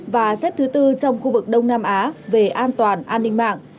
và xếp thứ tư trong khu vực đông nam á về an toàn an ninh mạng